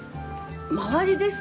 周りですか？